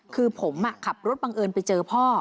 คือผมขับรถบังเอิญไปเจอพ่อ